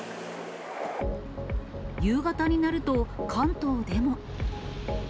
夕方になると関東でも。